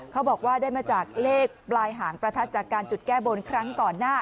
เขาบอกว่าได้มาจากเลขปลายหางประทัดจากการจุดแก้บนครั้งก่อนหน้า